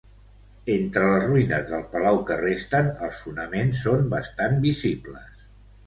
Entre les ruïnes del palau que resten, els fonaments són bastant visibles.